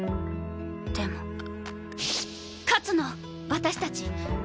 でも勝つの私たち。